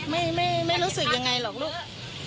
ไม่รู้สึกยังไงหรอกลูก